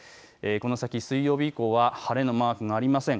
この先、水曜日以降は晴れのマークがありません。